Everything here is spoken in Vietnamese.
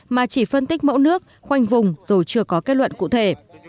mà chỉ phân tích mẫu nước khoanh vùng rồi chưa có kết luận cụ thể